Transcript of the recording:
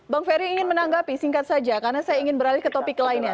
bang ferry ingin menanggapi singkat saja karena saya ingin beralih ke topik lainnya